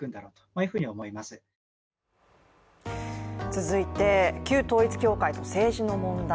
続いて、旧統一教会と政治の問題。